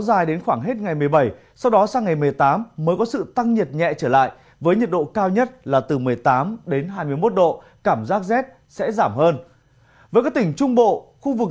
và đây là mức nhiệt độ cao nhất trên cả nước